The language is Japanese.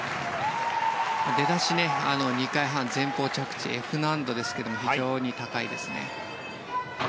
出だし２回半前方着地、Ｆ難度非常に高いです。